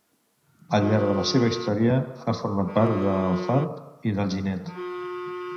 Al llarg de la seva història ha format part d'Alfarb i d'Alginet.